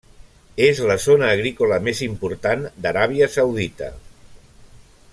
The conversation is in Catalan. És la zona agrícola més important d'Aràbia saudita.